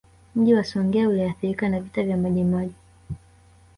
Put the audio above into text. Mji wa Songea uliathirika na Vita ya Majimaji